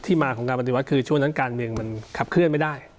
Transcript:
มาของการปฏิวัติคือช่วงนั้นการเมืองมันขับเคลื่อนไม่ได้